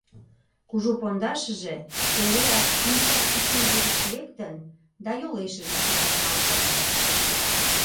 Кужу пондашыже эреак пинчак кӱсенже гыч лектын да йолешыже пӱтырналтын.